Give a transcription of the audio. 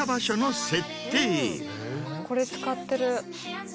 これ使ってる。